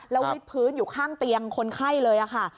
แล้ววิดพื้นอยู่ข้างเตียงคนไข้เลยค่ะ